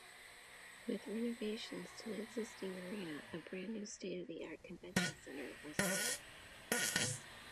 With renovations to the existing arena, a brand new state-of-the-art convention center was added.